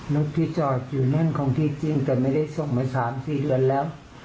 รถที่จอดอยู่นั่นของที่จริงแต่ไม่ได้ส่งมา๓๔เดือนแล้ว